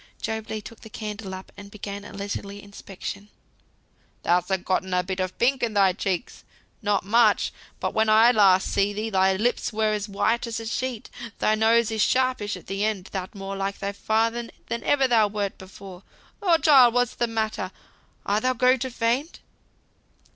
Job Legh took the candle up, and began a leisurely inspection. "Thou hast getten a bit of pink in thy cheeks, not much; but when last I saw thee, thy lips were as white as a sheet. Thy nose is sharpish at th' end; thou'rt more like thy father than ever thou wert before. Lord! child, what's the matter? Art thou going to faint?"